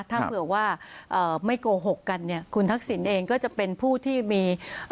ถ้าเผื่อว่าเอ่อไม่โกหกกันเนี่ยคุณทักษิณเองก็จะเป็นผู้ที่มี